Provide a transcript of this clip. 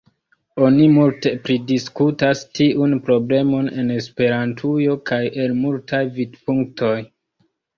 Oni multe pridiskutas tiun problemon en Esperantujo, kaj el multaj vidpunktoj.